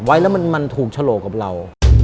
ไว้แล้วมันถูกฉลกกับเรา